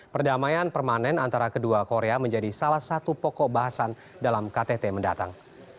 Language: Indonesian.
perdamaian permanen antara kedua korea menjadi salah satu pokok bahasan dalam ktt mendatang